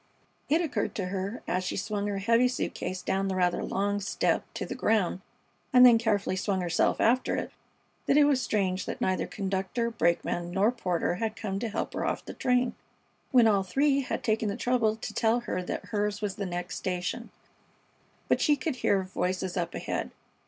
It occurred to her, as she swung her heavy suit case down the rather long step to the ground, and then carefully swung herself after it, that it was strange that neither conductor, brakeman, nor porter had come to help her off the train, when all three had taken the trouble to tell her that hers was the next station; but she could hear voices up ahead.